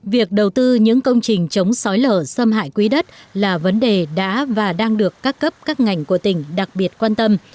việc đầu tư những công trình chống sói lở xâm hại quý đất là vấn đề đã và đang được các cấp các ngành của tỉnh đặc biệt quan tâm